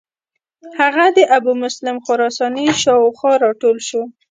هغه د ابومسلم خراساني شاو خوا را ټول شو.